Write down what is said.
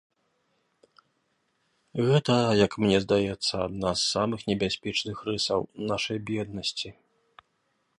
Гэта, як мне здаецца, адна з самых небяспечных рысаў нашай беднасці.